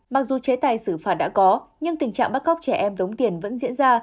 mặc dù chế tài xử phạt đã có nhưng tình trạng bắt cóc trẻ em tống tiền vẫn diễn ra